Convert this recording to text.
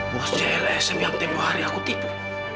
bos cls yang tempoh hari aku tipu